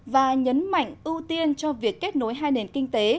và nhấn mạnh ưu tiên cho việc kết nối hai nền kinh tế